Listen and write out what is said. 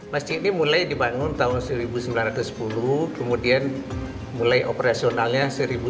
masjid ini mulai dibangun tahun seribu sembilan ratus sepuluh kemudian mulai operasionalnya seribu sembilan ratus delapan puluh